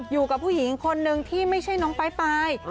อยู่กับผู้หญิงคนนึงที่ไม่ใช่น้องปลาย